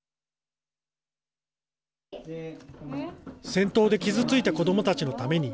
戦闘で傷ついた子どもたちのために